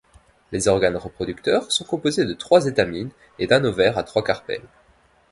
Les organes reproducteurs sont composés de trois étamines et d'un ovaire à trois carpelles.